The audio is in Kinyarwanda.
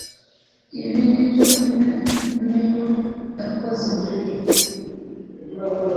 Ibi ni ibyo umwe muribo yakoze